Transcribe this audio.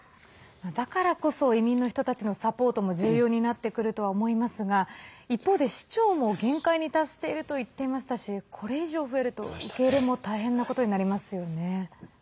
だからこそ移民の人たちのサポートも重要になってくるとは思いますが一方で市長も限界に達していると言ってましたしこれ以上増えると、受け入れも大変なことになりますよね。